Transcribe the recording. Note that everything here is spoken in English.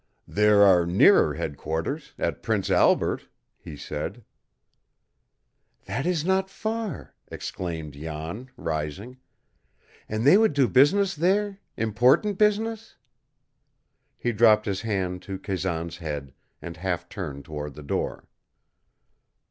"There are nearer headquarters, at Prince Albert," he said. "That is not far," exclaimed Jan, rising. "And they would do business there important business?" He dropped his hand to Kazan's head, and half turned toward the door.